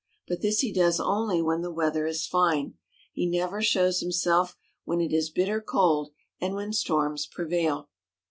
But this he does only when the weather is fine. He never shows himself when it is bitter cold and when storms prevail.